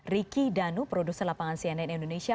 riki danu produser lapangan cnn indonesia